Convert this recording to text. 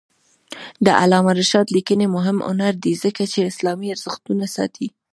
د علامه رشاد لیکنی هنر مهم دی ځکه چې اسلامي ارزښتونه ساتي.